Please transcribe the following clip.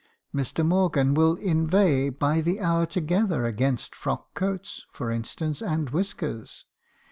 Mr. Morgan will inveigh by the hour together against frock coats, for instance, and whiskers.